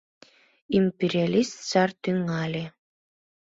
Империалист сар тӱҥале.